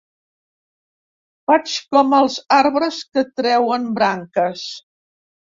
Faig com els arbres que treuen branques.